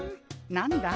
何だ？